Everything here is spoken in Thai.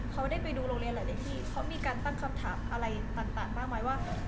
เขาได้ไปดูโรงเรียนหลายที่เขามีการตั้งคำถามอะไรต่างมากมายว่า